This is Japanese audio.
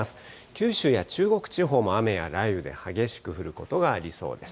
九州や中国地方も雨や雷雨で、激しく降ることがありそうです。